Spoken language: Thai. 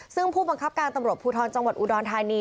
ซึ่งผู้บังคับการตำรวจภูทรจังหวัดอุดรธานี